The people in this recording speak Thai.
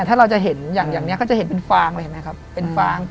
ถ้าเราจะเห็นอย่างนี้ก็จะเห็นเป็นฟางเลย